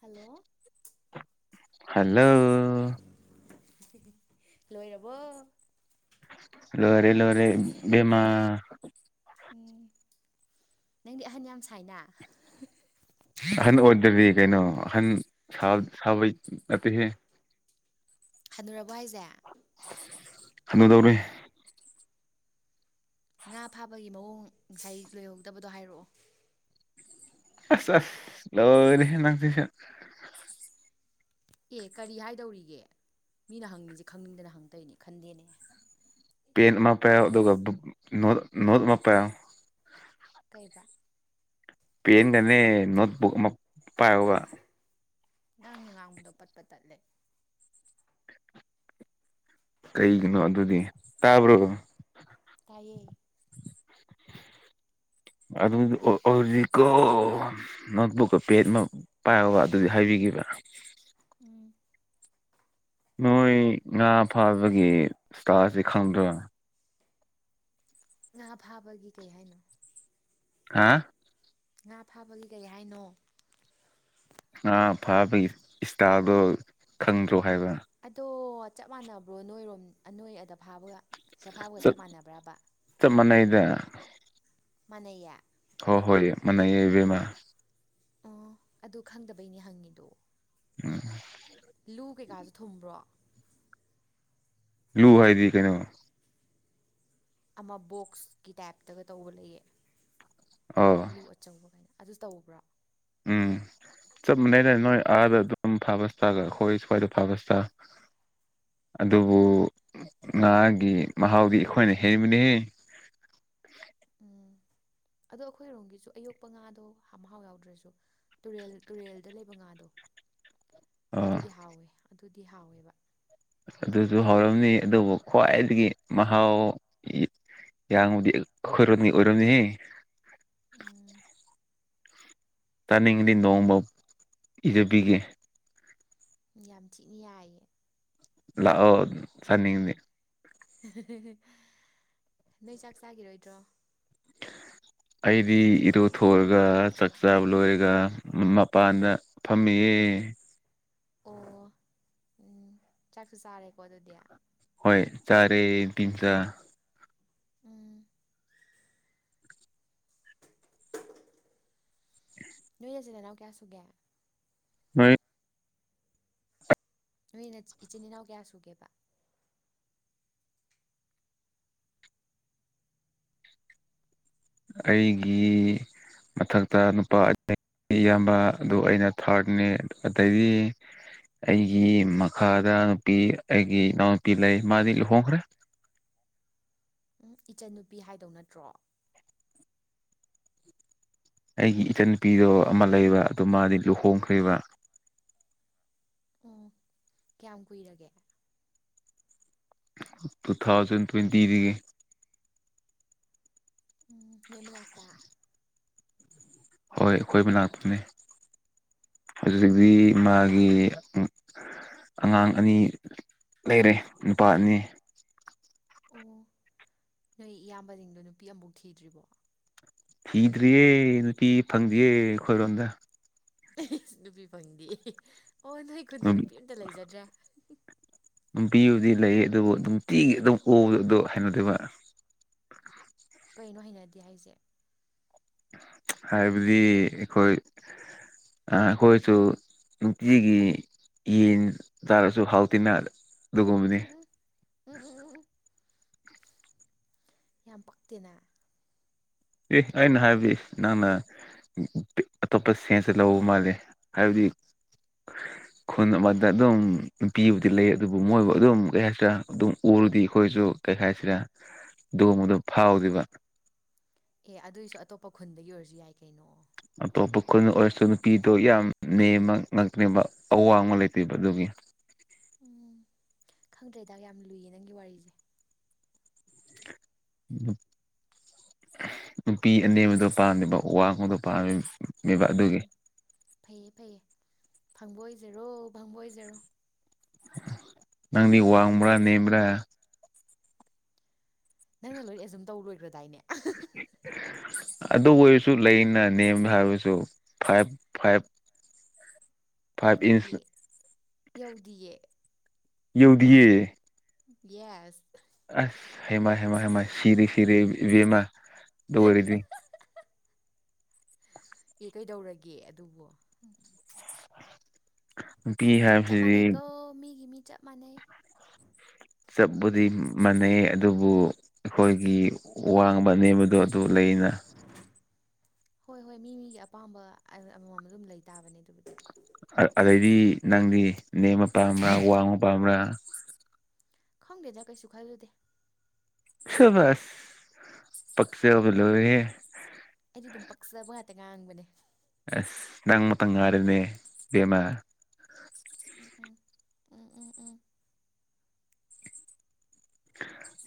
Hello hello [unintelligible] ꯂꯣꯏꯔꯕꫭ ꯂꯣꯏꯔꯦ ꯂꫭꯏꯔꯦ ꯏꯕꯦꯝꯃ ꯎꯝ ꯅꯪꯗꯤ ꯑꯍꯟ ꯌꯥꯝ ꯁꯥꯏꯅ ꯑꯍꯟ ꯑꯣꯏꯗ꯭ꯔꯗꯤ ꯀꯩꯅꯣ ꯑꯍꯟ ꯁꯥꯕꯩ ꯅꯠꯇꯦꯍꯦ ꯍꯅꯨꯔꯕꫭ ꯍꯥꯏꯁꯦ ꯍꯅꯨꯗꯧꯔꯦ ꯉꯥ ꯐꯥꯕꯒꯤ ꯃꯑꯣꯡ ꯉꯁꯥꯏ ꯂꯣꯏꯍꯧꯗꯕꯗꯣ ꯍꯥꯏꯔꯛꯑꯣ ꯑꯁ ꯑꯁ ꯂꯣꯏꯔꯍꯦꯅꯪꯁꯤꯁꯨ ꯑꯦ ꯀꯔꯤ ꯍꯥꯏꯗꯧꯔꯤꯒꯦ ꯃꯤꯅ ꯍꯪꯉꯤꯁꯦ ꯈꯪꯅꯤꯡꯗꯅ ꯍꯪꯗꯣꯏꯅꯦ ꯈꯟꯗꯦꯅꯦ ꯄꯦꯟ ꯑꯃ ꯄꯥꯏꯌꫭ ꯑꯗꯨꯒ ꯅꯣꯠ ꯅꫭꯠ ꯑꯃꯄꯥꯏꯌꯣ ꯀꯩꯕ ꯄꯦꯟꯅꯦ ꯅꯣꯠꯕꯨꯛ ꯑꯃ ꯄꯥꯏꯌꫭꯕ ꯅꯪꯅ ꯉꯥꯡꯕꯗꯣ ꯄꯠ ꯄꯠ ꯇꯠꯂꯦ ꯀꯩꯒꯤꯅꯣ ꯑꯗꯨꯗꯤ ꯇꯥꯕ꯭ꯔꯣ ꯇꯥꯏꯌꯦ ꯑꯗꯨ ꯍꯧꯖꯤꯛꯀꯣ ꯅꯣꯠ ꯕꯨꯛꯀ ꯄꯦꯟ ꯑꯃ ꯄꯥꯏꯑꫭꯕ ꯑꯗꯨꯗꯤ ꯍꯥꯏꯕꯤꯒꯦꯕ ꯎꯝ ꯅꯣꯏ ꯉꯥ ꯐꯥꯕꯒꯤ ꯆꯇꯥꯔꯖꯁꯤ ꯈꯪꯗ꯭ꯔꯣꯅ ꯉꯥ ꯐꯥꯕꯒꯤ ꯀꯩ ꯍꯥꯏꯅꯣ ꯍꯥ ꯉꯥ ꯐꯥꯕꯒꯤ ꯀꯩ ꯍꯥꯏꯅꯣ ꯉꯥ ꯐꯥꯕꯒꯤ ꯏꯁꯇꯥꯜꯗꯣ ꯈꯪꯗ꯭ꯔꯣ ꯍꯥꯏꯕ ꯑꯗꯣ ꯆꯞ ꯃꯥꯟꯅꯕ꯭ꯔꯣ ꯅꯣꯏꯔꯣꯝ ꯅꯣꯏ ꯑꯗ ꯐꯥꯕꯒ ꯁꯤꯗ ꯐꯥꯕꯒ ꯆꯞ ꯃꯥꯟꯅꯕ꯭ꯔꯕ ꯆꯞ ꯃꯅꯩꯅꯦ ꯃꯅꯩꯌꯦ ꯍꯣ ꯍꯣꯏ ꯃꯅꯩꯌꯦ ꯏꯕꯦꯝꯃ ꯑꯣ ꯑꯗꯨ ꯈꯪꯗꯕꯩꯅꯦ ꯍꯪꯉꯤꯗꯣ ꯎꯝ ꯂꯨ ꯀꯩꯀꯥꯁꯨ ꯊꯨꯝꯕ꯭ꯔꯣ ꯂꯨ ꯍꯥꯏꯗꯤ ꯀꯩꯅꯣ ꯑꯃ ꯕꯣꯛꯁꯀꯤ ꯇꯥꯏꯞꯇꯒ ꯇꯧꯕ ꯂꯩꯌꯦ ꯑꯣ ꯂꯨ ꯑꯆꯧꯕ ꯀꯥꯏꯅ ꯑꯗꯨ ꯇꯧꯕ꯭ꯔꯥ ꯎꯝ [inaudible] ꯆꯞ ꯃꯥꯟꯅꯩꯅꯦ ꯅꯣꯏ ꯑꯥꯗ ꯑꯗꯨꯝ ꯐꯥꯕ ꯏꯁꯇꯥꯜ ꯑꯩꯈꯣꯏ ꯁ꯭ꯋꯥꯏꯗ ꯐꯥꯕ ꯏꯁꯇꯥꯜ ꯑꯗꯨꯕꯨ ꯉꯥꯒꯤ ꯃꯍꯥꯎꯗꯤ ꯑꯩꯈꯣꯏꯅ ꯍꯦꯟꯕꯅꯤꯍꯦ ꯎꯝ ꯑꯗꯣ ꯑꯩꯈꯣꯏꯔꯣꯝꯒꯤꯁꯨ ꯑꯌꯣꯛꯄ ꯉꯥꯗꯣ ꯍꯥ ꯃꯍꯥꯎ ꯌꯥꯎꯗ꯭ꯔꯁꯨ ꯇꯨꯔꯦꯜ ꯇꯨꯔꯦꯜꯗ ꯂꯩꯕ ꯉꯥꯗꯣ ꯑꯥ ꯑꯗꯨꯗꯤ ꯍꯥꯎꯋꯦ ꯑꯗꯨꯗꯤ ꯍꯥꯎꯋꯦꯕ ꯑꯗꯨꯁꯨ ꯍꯧꯔꯝꯅꯤ ꯑꯗꯨꯕꯨ ꯈ꯭ꯋꯥꯏꯗꯒꯤ ꯃꯍꯥꯎ ꯌꯥꯡꯕꯗꯤ ꯈꯨꯏꯔꯣꯅꯤ ꯑꯣꯏꯔꯝꯅꯤꯍꯦ꯫ ꯎꯝ꯫ ꯆꯅꯤꯡꯉꯗꯤ ꯅꯣꯡꯃ ꯄꯤꯖꯕꯤꯒꯦ꯫ ꯌꯥꯝ ꯊꯤꯅ ꯌꯥꯏꯌꯦ꯫ ꯂꯥꯛꯑꯣ ꯆꯅꯤꯡꯉꯗꯤ꯫ ꯅꯣꯏ ꯆꯥꯛ ꯆꯥꯈꯤꯔꯣꯏꯗ꯭ꯔꯣ꯫ ꯑꯩꯗꯤ ꯏꯔꯣꯊꯣꯔꯒ ꯆꯥꯛ ꯆꯕ ꯂꯣꯏꯔꯒ ꯃꯄꯥꯟꯗ ꯐꯝꯃꯤꯑꯦ꯫ ꯑꯣ ꯎꯝ ꯆꯥꯛꯁꯨ ꯆꯥꯔꯦꯀꯣ ꯑꯗꯨꯗꯤ꯫ ꯍꯣꯏ ꯆꯔꯦ ꯅꯨꯄꯤꯝꯆꯥ꯫ ꯎꯝ꯫ ꯅꯣꯏ ꯅꯆꯤꯟ ꯅꯅꯥꯎ ꯀꯌꯥ ꯁꯨꯒꯦ꯫ [inaudible] ꯅꯣꯏ ꯅ ꯏꯆꯤꯟ ꯏꯅꯥꯎ ꯀꯌꯥ ꯁꯨꯒꯦꯕ꯫ ꯑꯩꯒꯤ ꯃꯊꯛꯇ ꯅꯨꯄꯥ ꯏꯌꯥꯝꯕ ꯑꯗꯨ ꯑꯩꯅ ꯊꯥꯔꯠꯅꯦ ꯑꯗꯩꯩꯗꯤ ꯑꯩꯒꯤ ꯃꯈꯥꯗ ꯅꯨꯄꯤ ꯑꯩꯒꯤ ꯏꯅꯥꯎ ꯅꯨꯨꯄꯤ ꯂꯩ ꯃꯥꯗꯤ ꯂꯨꯍꯣꯡꯈ꯭ꯔꯦ꯫ ꯎꯝ ꯏꯆꯟꯅꯨꯄꯤ ꯍꯥꯏꯗꯧ ꯅꯠꯇ꯭ꯔꯣ꯫ ꯑꯩꯒꯤ ꯏꯆꯟꯅꯨꯄꯤꯗꯣ ꯑꯃ ꯂꯩꯕ ꯑꯗꯨ ꯃꯥꯗꯤ ꯂꯨꯍꯣꯡꯈ꯭ꯔꯤꯕ꯫ ꯑꯣ ꯀꯌꯥꯝ ꯀꯨꯏꯔꯒꯦ꯫ ꯇꯨ ꯊꯥꯎꯖꯟ ꯇ꯭ꯋꯦꯟꯇꯤꯗꯒꯤ꯫ ꯑꯣ ꯅꯣꯏ ꯃꯅꯥꯛꯇ꯫ ꯍꯣꯏ ꯑꯩꯈꯣꯏ ꯃꯅꯥꯛꯇꯅꯦ꯫ ꯍꯧꯖꯤꯛꯇꯤ ꯃꯥꯒꯤ ꯎꯝ꯫ ꯑꯉꯥꯡ ꯑꯅꯤ ꯂꯩꯔꯦ ꯅꯨꯄꯥ ꯑꯅꯤ꯫ ꯑꯣ ꯅꯣꯏ ꯏꯌꯥꯝꯕꯁꯤꯡꯗꯣ ꯅꯨꯄꯤ ꯑꯃꯕꯨꯛ ꯊꯤꯗ꯭ꯔꯤꯕꯣ꯫ ꯊꯤꯗ꯭ꯔꯤꯌꯦ ꯅꯨꯄꯤ ꯐꯪꯗꯤꯌꯦ ꯑꯩꯈꯣꯏꯔꯣꯝꯗ꯫ ꯑꯩꯁ ꯅꯨꯄꯤ ꯐꯪꯗꯦꯌꯦ ꯑꯣ ꯅꯣꯏ ꯈꯨꯟꯗ ꯅꯨꯄꯤ ꯑꯝꯇ ꯂꯩꯖꯗ꯭ꯔꯦ꯫ ꯅꯨꯄꯤꯕꯨꯗꯤ ꯂꯩꯌꯦ ꯑꯗꯨꯕꯨ ꯅꯨꯡꯇꯤꯒꯤ ꯑꯗꯨꯝ ꯎꯕꯗꯣ ꯑꯗꯨ ꯍꯩꯅꯗꯦꯕ꯫ ꯀꯩꯅꯣ ꯍꯩꯅꯗꯦ ꯍꯥꯏꯁꯦ꯫ ꯍꯥꯏꯕꯗꯤ ꯑꯩꯈꯣꯏ ꯑꯥ ꯑꯩꯈꯣꯏꯁꯨ ꯅꯨꯡꯇꯤꯒꯤ ꯌꯦꯟ ꯆꯥꯔꯁꯨ ꯍꯥꯎꯇꯤꯟꯅ ꯑꯗꯨꯒꯨꯝꯕꯅꯤ꯫ ꯎꯝ ꯎꯝ ꯎꯝ ꯎꯝ ꯎꯝ ꯎꯝ ꯌꯥꯝ ꯄꯛꯇꯦꯅ꯫ ꯑꯦ ꯑꯩꯅ ꯍꯥꯏꯕꯗꯤ ꯅꯪꯅ ꯑꯥ ꯑꯇꯣꯞꯄ ꯁꯦꯟꯁꯇ ꯂꯧꯕ ꯃꯥꯜꯂꯦ ꯍꯥꯏꯕꯗꯤ [inaudible] ꯈꯨꯟ ꯑꯃꯗ ꯑꯗꯨꯝ ꯅꯨꯄꯤꯕꯨꯗꯤ ꯂꯩ ꯑꯗꯨꯕꯨ ꯃꯣꯏꯕꯨ ꯑꯗꯨꯝ ꯀꯩ ꯍꯥꯏꯇꯥꯔꯦ ꯑꯗꯨꯝ ꯎꯔꯗꯤ ꯑꯩꯈꯣꯏꯁꯨ ꯀꯩ ꯍꯥꯏꯁꯤꯔ ꯗꯨꯀꯨꯝꯕꯗꯣ ꯐꯥꯎꯗꯦꯕ꯫ ꯑꯦ ꯑꯗꯨꯑꯣꯏꯁꯨ ꯑꯇꯣꯞꯄ ꯈꯨꯟꯗꯒꯤ ꯑꯣꯏꯔꯁꯨ ꯌꯥꯏ ꯀꯩꯅꯣ꯫ ꯑꯇꯣꯞꯄ ꯈꯨꯟ ꯑꯣꯏꯔꯁꯨ ꯅꯨꯄꯤꯗꯣ ꯌꯥꯝ ꯅꯦꯝꯃ ꯉꯥꯛꯇꯅꯦꯕ ꯑꯋꯥꯡꯕ ꯂꯩꯇꯦꯕ ꯑꯗꯨꯒꯤ꯫ ꯑꯣ ꯈꯪꯗ꯭ꯔꯦꯗꯥ ꯌꯥꯝ ꯂꯨꯏꯌꯦ ꯅꯪꯒꯤ ꯋꯥꯔꯤꯁꯦ꯫ ꯅꯨꯄꯤ ꯑꯅꯦꯝꯕꯗꯣ ꯄꯥꯝꯗꯦꯕ ꯑꯋꯥꯡꯕꯗꯣ ꯄꯥꯝꯃꯤꯕ꯫ ꯃꯤꯕ ꯎꯝ ꯎꯝ ꯑꯗꯨꯒꯤ꯫ ꯎꯝ ꯐꯩꯌꯦ ꯐꯩꯌꯦ ꯐꯪꯕꯑꯣꯏꯖꯔꯣ ꯐꯪꯕꯑꯣꯏꯖꯔꯣ꯫ ꯅꯪꯗꯤ ꯋꯥꯡꯕ꯭ꯔꯥ ꯅꯦꯝꯕ꯭ꯔꯥ꯫ ꯅꯪꯅ ꯂꯣꯏ ꯑꯦꯖꯨꯝ ꯇꯧ ꯂꯣꯏꯈ꯭ꯔꯗꯥꯏꯅꯦ꯫ ꯑꯗꯨ ꯑꯣꯏꯔꯁꯨ ꯂꯩꯅ ꯅꯦꯝ ꯍꯥꯏꯕꯁꯨ ꯐꯥꯏꯚ ꯐꯥꯏꯚ ꯐꯥꯏꯚ ꯏꯟꯁ ꯈꯪꯗꯤꯌꯦ ꯌꯧꯗꯤꯌꯦ꯫ ꯌꯧꯗꯤꯌꯦ꯫ ꯌꯦꯁ꯫ ꯑꯁ ꯍꯩꯃꯥ ꯍꯩꯃꯥ ꯍꯩꯃꯥ ꯁꯤꯔꯦ ꯁꯤꯔꯦ ꯏꯕꯦꯝꯃ ꯗꯨꯑꯣꯏꯔꯗꯤ꯫ ꯑꯦ ꯀꯩꯗꯧꯔꯒꯦ ꯑꯗꯨꯕꯣ ꯅꯨꯄꯤ ꯍꯥꯏ ꯆꯞ ꯃꯥꯟꯅꯩꯀꯣ ꯃꯤꯒꯤ ꯃꯤ ꯆꯞ ꯃꯥꯟꯅꯩ꯫ ꯆꯞꯄꯨꯗꯤ ꯃꯥꯟꯅꯩ ꯑꯗꯨꯕꯨ ꯑꯩꯈꯣꯏꯒꯤ ꯋꯥꯡꯕ ꯅꯦꯝꯕꯗꯣ ꯗꯨ ꯂꯩꯌꯦꯅ꯫ ꯍꯣꯏ ꯍꯣꯏ ꯃꯤ ꯃꯤꯒꯤ ꯑꯄꯥꯝꯕ ꯑꯃꯃꯝ ꯑꯗꯨꯝ ꯂꯩ ꯇꯥꯕꯅꯦ ꯑꯗꯨꯕꯨꯗꯤ꯫ ꯑ ꯑꯗꯩꯗꯤ ꯅꯪꯗꯤ ꯅꯦꯝꯃ ꯄꯥꯝꯕ꯭ꯔꯥ ꯋꯥꯡꯕ ꯄꯥꯝꯕ꯭ꯔꯥ ꯈꯪꯗꯦꯗ ꯀꯩꯁꯨ ꯈꯜꯂꯨꯗꯦ꯫ ꯁꯕꯥꯥꯁ ꯄꯛꯆꯕ ꯂꯣꯏꯔꯦꯍꯦ꯫ ꯑꯩꯗꯤ ꯑꯗꯨꯝ ꯄꯛꯆꯕ ꯉꯥꯛꯇ ꯉꯥꯡꯕꯅꯦ꯫ ꯑꯁ ꯅꯪ ꯃꯛꯇ ꯉꯥꯏꯔꯣꯅꯦ ꯕꯦꯃꯥ꯫ ꯎꯝ ꯎꯝ ꯎꯝ ꯎꯝ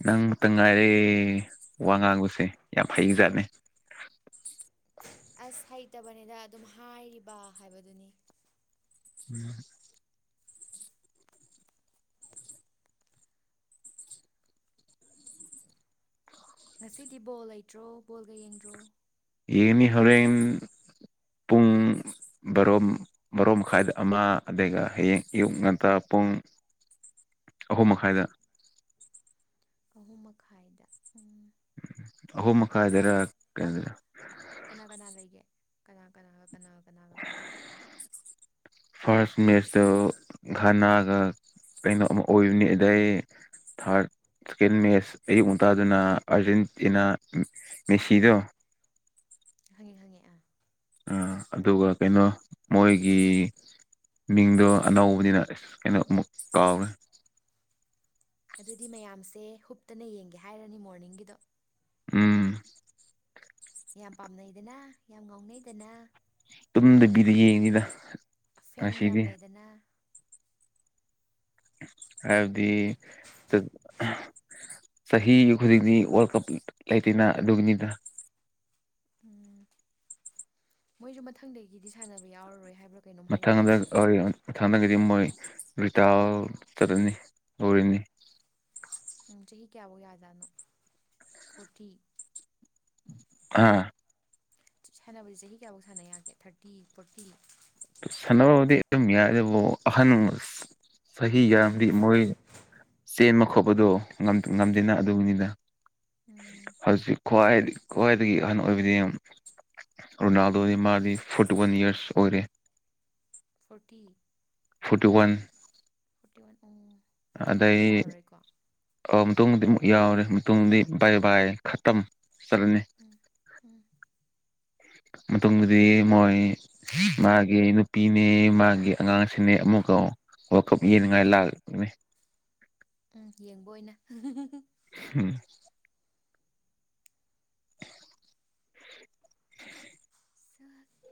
ꯅꯪꯛꯇ ꯉꯥꯏꯔꯦ ꯋꯥ ꯉꯥꯡꯕꯁꯦ ꯌꯥꯝ ꯐꯩꯖꯥꯠꯅꯦ꯫ ꯑꯁ ꯍꯩꯇꯕꯅꯤꯗ ꯑꯗꯨꯝ ꯍꯥꯏꯔꯤꯕ ꯍꯥꯏꯕꯗꯨꯅꯤ꯫ [inaudible] ꯉꯁꯤꯗꯤ ꯕꯣꯜ ꯂꯩꯇ꯭ꯔꯣ ꯕꯣꯜꯒ ꯌꯦꯡꯗ꯭ꯔꯣ ꯌꯦꯡꯅꯤ ꯍꯣꯔꯦꯟ ꯄꯨꯡ ꯕꯥꯔꯣ ꯕꯥꯔꯣ ꯃꯈꯥꯏꯗ ꯑꯃ ꯑꯗꯨꯒꯩ ꯍꯌꯦꯡ ꯑꯌꯨꯛ ꯉꯟꯇꯥ ꯄꯨꯡ ꯑꯍꯨꯝ ꯃꯈꯥꯏꯗ ꯑꯍꯨꯝ ꯃꯈꯥꯏꯗ ꯎꯝ ꯑꯍꯨꯝ ꯀꯅꯥ ꯃꯈꯥꯏꯗꯔ ꯑꯧ ꯀꯩꯅꯣꯗꯔ ꯀꯅꯥ ꯀꯅꯥ ꯂꯩꯒꯦ ꯀꯅꯥ ꯀꯅꯥꯒ ꯀꯅꯥꯒ ꯀꯅꯥꯒ ꯐꯥꯔꯁ ꯃꯦꯠꯆꯇ ꯘꯅꯥꯒ ꯀꯩꯅꯣ ꯑꯃ ꯑꯣꯏꯕꯅꯤ ꯑꯗꯩ ꯊꯥꯔꯠ ꯁꯦꯀꯦꯟ ꯃꯦꯠꯁ ꯑꯌꯨꯛ ꯉꯨꯟꯇꯥꯗꯨꯅ ꯑꯥꯔꯖꯦꯟꯇꯤꯅꯥ ꯃꯦꯁꯤꯗꯣ ꯍꯪꯉꯦ ꯍꯪꯉꯦ ꯑꯥ ꯑ ꯑꯗꯨꯒ ꯀꯩꯅꯣ ꯃꯣꯏꯒꯤ ꯃꯤꯡꯗꯣ ꯑꯅꯧꯕꯅꯤꯅ ꯑꯁ ꯀꯩꯅꯣ ꯑꯃꯨꯛ ꯀꯥꯎꯋꯦ꯫ ꯑꯗꯨꯗꯤ ꯃꯌꯥꯝꯁꯦ ꯍꯨꯞꯇꯅ ꯌꯦꯡꯒꯦ ꯍꯥꯏꯔꯅꯤ ꯃꯣꯔꯅꯤꯡꯒꯤꯗꯣ ꯎꯝ ꯌꯥꯝ ꯄꯥꯝꯅꯩꯗꯅ ꯌꯥꯝ ꯉꯥꯎꯅꯩꯗꯅ ꯇꯨꯝꯗꯕꯤꯗ ꯌꯦꯡꯉꯤꯗ ꯐꯦꯟ ꯀꯌꯥꯝ ꯂꯩꯗꯅ ꯍꯥꯏꯕꯗꯤ ꯆ ꯆꯍꯤ ꯈꯨꯗꯤꯡꯅꯤ ꯋꯥꯔꯜ ꯀꯞ ꯂꯩꯇꯦꯅ ꯑꯗꯨꯅꯤꯗ ꯎꯝ ꯃꯣꯏꯁꯨ ꯃꯊꯪꯗꯒꯤꯗꯤ ꯁꯥꯟꯅꯕ ꯌꯥꯎꯔꯔꯣꯏ ꯍꯥꯏꯕ꯭ꯔꯥ ꯀꯩꯅꯣꯝ ꯍꯥꯏꯅꯗꯥꯏꯅꯦ ꯃꯊꯪꯗꯣꯏ ꯃꯊꯪꯗꯒꯤꯗꯤ ꯃꯣꯏ ꯔꯤꯇꯥꯔ ꯆꯠꯂꯅꯤ ꯂꯔꯤꯅꯤ꯫ ꯎ ꯆꯍꯤ ꯀꯌꯥꯐꯧ ꯌꯥꯖꯥꯠꯅꯣ ꯐꯣꯔꯇꯤ꯫ ꯑꯥ ꯁꯥꯟꯅꯕꯁꯤ ꯆꯍꯤ ꯀꯌꯥꯐꯧ ꯁꯥꯟꯅ ꯌꯥꯒꯦ ꯊꯥꯔꯇꯤ ꯐꯣꯔꯇꯤ꯫ ꯁꯥꯟꯅꯕꯕꯨꯗꯤ ꯑꯗꯨꯝ ꯌꯥꯏ ꯑꯗꯨꯕꯨ ꯑꯍꯟ ꯆꯍꯤ ꯌꯥꯝꯗꯤ ꯃꯣꯏ ꯆꯦꯟꯕ ꯈꯣꯠꯄꯗꯣ ꯎꯝ ꯉꯝꯗꯦꯅ ꯑꯗꯨꯅꯤꯅꯗ꯫ ꯎꯝ ꯍꯧꯖꯤꯛ ꯈ꯭ꯋꯥꯏ ꯈ꯭ꯋꯥꯏꯗꯒꯤ ꯑꯍꯟ ꯑꯣꯏꯕꯗꯤ ꯔꯣꯅꯥꯜꯗꯣ ꯃꯥꯥꯔꯗꯤ ꯐꯣꯔꯇꯤ ꯋꯥꯟ ꯏꯌꯔꯁ ꯑꯣꯏꯔꯦ꯫ Forty. Forty one forty one ꯇꯥꯡ꯫ ꯑꯗꯩ ꯑꯣ ꯃꯇꯨꯡꯗꯤ ꯑꯃꯨꯛ ꯌꯥꯎꯔꯦ ꯃꯇꯨꯡꯗꯤ ꯕꯥꯏ ꯕꯥꯏ ꯈꯇꯝ ꯆꯠꯂꯅꯤ ꯑꯥ ꯑꯥ ꯃꯇꯨꯡꯗꯗꯤ ꯃꯣꯏ ꯃꯥꯒꯤ ꯅꯨꯄꯤꯅꯦ ꯃꯥꯒꯤ ꯑꯉꯥꯡꯁꯤꯅꯦ ꯑꯃꯨꯛꯀ ꯋꯥꯜ ꯀꯞ ꯌꯦꯅꯤꯡꯉꯥꯏ ꯂꯥꯛꯅꯦ ꯎꯝ ꯌꯦꯡꯕ ꯑꯣꯏꯅ ꯍꯨꯝ ꯆꯠ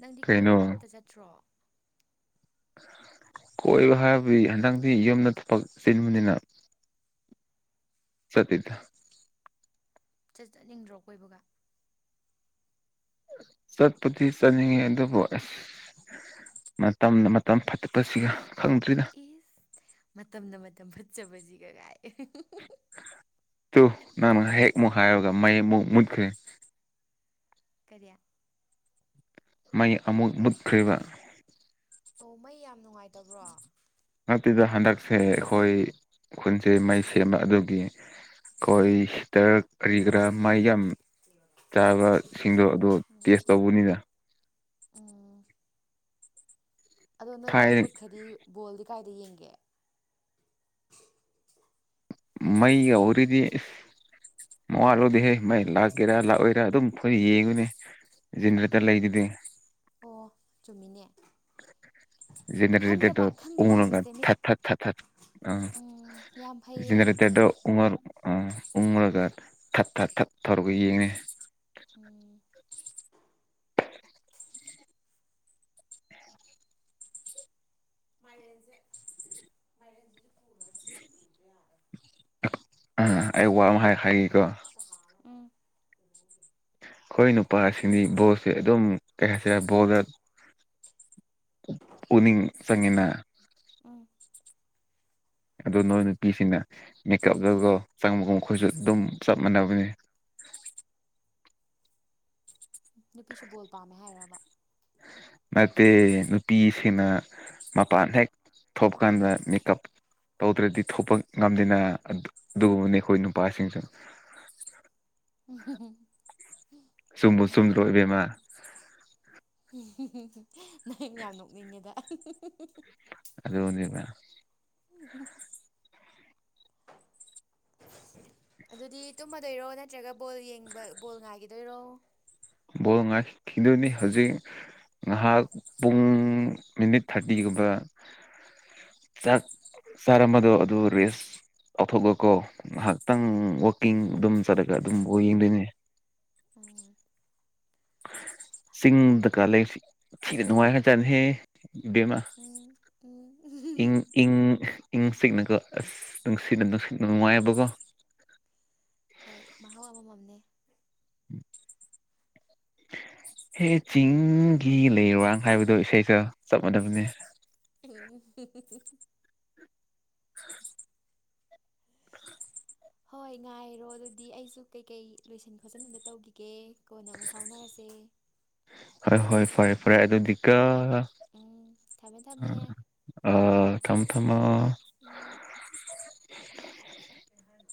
ꯅꯪꯗꯤ ꯀꯩꯅꯣ ꯀꯣꯏꯕꯒ ꯑꯝꯇ ꯆꯠꯇ꯭ꯔꯣ ꯀꯣꯏꯕ ꯍꯥꯏꯕꯗꯤ ꯍꯟꯗꯛꯇꯗꯤ ꯌꯨꯝꯗ ꯊꯕꯛ ꯆꯤꯟꯕꯅꯤꯅ ꯆꯠꯇꯤꯗ ꯆꯠ ꯆꯠꯅꯤꯡꯗ꯭ꯔꯣ ꯀꯣꯏꯕꯒ ꯆꯠꯄꯗꯤ ꯆꯠꯅꯤꯡꯉꯦ ꯑꯗꯨꯕꯨ ꯑꯁ ꯃꯇꯝꯅ ꯃꯇꯝ ꯐꯠꯇꯄꯁꯤꯒ ꯈꯪꯗ꯭ꯔꯤꯗ ꯏꯁ ꯃꯇꯝꯅ ꯃꯇꯝ ꯐꯠꯆꯕꯁꯤ ꯒꯒꯥꯏ ꯇꯨ ꯅꯪꯅ ꯍꯦꯛ ꯅ‌ꯣꯛꯈꯥꯏꯔꯒ ꯃꯩ ꯑꯃꯨꯛ ꯃꯨꯠꯈ꯭ꯔꯦ ꯀꯔꯤ ꯃꯩ ꯑꯃꯨꯛ ꯃꯨꯠꯈ꯭ꯔꯦꯕ ꯑꯣ ꯃꯩ ꯌꯥꯝ ꯅꯨꯡꯉꯥꯏꯇꯕ꯭ꯔꯣ ꯅꯠꯇꯦꯗꯥ ꯍꯟꯗꯛꯁꯦ ꯑꯩꯈꯣꯏ ꯈꯨꯟꯁꯦ ꯃꯩ ꯁꯦꯝꯕ ꯑꯗꯨꯒꯤ ꯀꯣꯔꯤ ꯍꯤꯇꯔ ꯀꯔꯤ ꯀꯔꯥ ꯃꯥꯏ ꯌꯥꯝ ꯆꯥꯕꯁꯤꯡꯗꯣ ꯑꯗꯣ ꯇꯦꯁ ꯇꯧꯕꯅꯤꯗ ꯎꯝ ꯑꯗꯣ ꯅꯣꯏ ꯊꯥꯏ ꯃꯩ ꯃꯨꯠꯈ꯭ꯔꯗꯤ ꯕꯣꯜꯗꯤ ꯀꯥꯏꯗ ꯌꯦꯡꯒꯦ ꯃꯩꯒꯤ ꯋꯥꯔꯤꯗꯤ ꯏꯁ ꯃꯋꯥ ꯂꯧꯗꯦꯍꯦ ꯃꯩ ꯂꯥꯛꯀꯦꯔꯥ ꯂꯥꯛꯑꯣꯏꯔꯥ ꯑꯗꯨꯝ ꯐꯨ ꯌꯦꯡꯕꯅꯤ ꯖꯦꯅꯦꯔꯦꯇꯔ ꯂꯩꯗꯨꯗꯤ ꯑꯣ ꯆꯨꯝꯃꯤꯅꯦ ꯈꯪꯗꯕ ꯖ‌ꯦꯅ‌ꯦꯔ‌ꯦꯗꯔꯗꯣ ꯈꯪꯗꯕ ꯎꯪꯂꯒ ꯍꯥꯏꯕꯁꯦ ꯃꯤꯠ ꯊꯠ ꯊꯠ ꯊꯠ ꯊꯠ ꯑ ꯎꯝ ꯌꯥꯝ ꯐꯩꯌꯦ ꯖꯦꯅꯤꯔꯤꯇꯔꯗꯣ ꯎꯪꯉ ꯑꯝ ꯎꯪꯉꯒ ꯊꯠ ꯊꯠ ꯊꯠ ꯇꯧꯔꯒ ꯌꯦꯡꯉꯤꯅ‌ꯦ ꯎꯝ ꯃꯥꯏꯔꯦꯟꯁꯦ ꯃꯥꯏꯔꯦꯟꯁꯤꯁꯨ ꯄꯨꯨꯔ ꯁꯤꯁꯨ ꯄꯨꯨꯗ ꯌꯔꯔꯣꯏ ꯑꯩ ꯋꯥ ꯑꯃ ꯍꯥꯏ ꯍꯥꯏꯒꯦꯀꯣ ꯎꯝ ꯑꯩꯈꯣꯏ ꯅꯨꯄꯥꯁꯤꯡꯗꯤ ꯕꯣꯜꯁꯦ ꯑꯗꯨꯝ ꯀꯩ ꯍꯥꯏꯁꯤꯔꯥ ꯕꯣꯜꯗ ꯄꯨꯛꯅꯤꯡ ꯆꯪꯉꯤꯅ ꯎꯝ ꯑꯗ‌ꯣ ꯅꯣꯏ ꯅꯨꯄꯤꯁꯤꯡꯅ ꯃꯦꯀꯞꯇꯀ‌ꯣ ꯆꯪꯕꯒꯨꯝ ꯈꯣꯏꯁꯨ ꯑꯗꯨꯝ ꯆꯞ ꯃꯥꯟꯅꯕꯅꯤ ꯅꯨꯄꯤꯁꯨ ꯕꯣꯜ ꯄꯥꯝꯃꯦ ꯍꯥꯏꯔꯕ ꯅꯠꯇꯦ ꯅꯨꯄꯤꯁꯤꯡꯅ ꯃꯄꯥꯟ ꯍꯦꯛ ꯊꯣꯄꯀꯥꯟꯗ ꯃꯦꯀꯞ ꯇꯧꯗ꯭ꯔꯗꯤ ꯊꯣꯛꯄ ꯉꯝꯗꯦꯅ ꯑꯗꯨ ꯑꯗꯨꯒꯨꯝꯕꯅꯤ ꯑꯩꯈꯣꯏ ꯅꯨꯄꯥꯁꯤꯡꯁꯨ ꯎꯝ ꯆꯨꯝꯕꯨ ꯆꯨꯝꯗ꯭ꯔꯣ [unintelligible] ꯏꯕꯦꯝꯃ ꯅꯪ ꯌꯥꯝ ꯅꯣꯛꯅꯤꯡꯉ‌ꯦꯗ ꯑꯗꯨꯅꯤꯗ [unintelligible] ꯑꯗꯨꯗꯤ ꯇꯨꯝꯃꯗꯣꯏꯔꯣ ꯅꯠꯇ꯭ꯔꯒ ꯕꯣꯜ ꯌꯦꯡꯕ ꯕꯣꯜ ꯉꯥꯏꯈꯤꯗꯣꯏꯔꯣ ꯕꯣꯜ ꯉꯥꯏꯈꯤꯗꯣꯏꯅꯤ ꯍꯧꯖꯤꯛ ꯉꯥꯏꯍꯥꯛ ꯄꯨꯡ ꯃꯤꯅꯤꯠ ꯊꯥꯔꯇꯤꯒꯨꯝꯕ ꯆꯥꯛ ꯆꯥꯔꯝꯕꯗꯣ ꯑꯗꯨ ꯔꯦꯁ ꯀꯥꯎꯊꯣꯛꯂꯨꯀꯣ ꯉꯍꯥꯛ ꯇꯪ ꯎꯝ ꯋꯥꯛꯀꯤꯡ ꯑꯗꯨꯝ ꯆꯠꯂꯒ ꯑꯗꯨꯝ ꯕꯣꯜ ꯌꯦꯡꯗꯣꯏꯅꯦ ꯑꯣ ꯆꯤꯡꯗꯀꯥ ꯂꯩꯕꯁꯤ ꯊꯤꯅ ꯅꯨꯡꯉꯥꯏꯈ꯭ꯔꯖꯥꯠꯅꯤꯍꯦ ꯏꯕꯦꯃꯃꯥ ꯎꯝ ꯎꯝ ꯏꯪ ꯏꯪ ꯏꯪ ꯆꯤꯛꯅꯀꯣ ꯑꯁ ꯅꯨꯡꯁꯤꯠꯅ ꯅꯨꯡꯁꯤꯠ ꯅꯨꯡꯉꯥꯏꯑꯕꯀꯣ ꯍꯣꯏ ꯃꯍꯥꯎ ꯑꯃꯝꯃꯝꯅꯦ [inaudible] ꯍꯦ ꯆꯤꯡꯒꯤ ꯂꯩꯔꯥꯡ ꯍꯥꯏꯕꯗꯣ ꯏꯁꯩꯗꯣ ꯆꯞ ꯃꯥꯟꯅꯕꯅꯦ ꯎꯝ [unintelligible] [unintelligible] ꯍꯣꯏ ꯉꯥꯏꯔꯣ ꯑꯗꯨꯗꯤ ꯑꯩꯁꯨ ꯀꯩꯀꯩ ꯂꯣꯏꯁꯤꯟ ꯈꯣꯠꯆꯤꯟꯕꯗ ꯇꯧꯒꯤꯒꯦ ꯀꯣꯟꯅ ꯑꯃꯨꯛ ꯐꯥꯎꯅꯔꯁꯦ ꯍꯣꯏ ꯍꯣꯏ ꯐꯔꯦ ꯐꯔꯦ ꯑꯗꯨꯗꯤꯀꯣ ꯎꯝ ꯊꯝꯃꯦ ꯊꯝꯃꯦ ꯑꯥ ꯊꯝꯃꯣ ꯊꯝꯃꯣ ꯎꯝ ꯀꯩ ꯍꯥꯏꯅꯣ